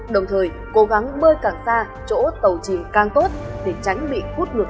đồng thời cố gắng bơi càng xa chỗ tàu chìm càng tốt để tránh bị hút ngược